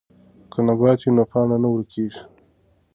که نبات وي نو پاڼه نه ورکیږي.